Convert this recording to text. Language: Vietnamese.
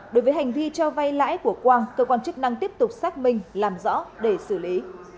đối với hành vi cho vay lãi của quang cơ quan chức năng tiếp tục xác minh làm rõ để xử lý